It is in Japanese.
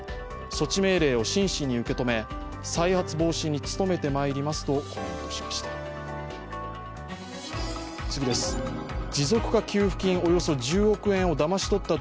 措置命令を真摯に受け止め、再発防止に努めてまいりますとコメントしました。